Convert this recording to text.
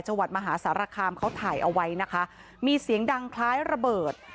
จังหวัดมหาสารคามเขาถ่ายเอาไว้นะคะมีเสียงดังคล้ายระเบิด